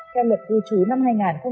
theo luật cư chú năm hai nghìn hai mươi